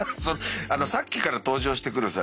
さっきから登場してくるさ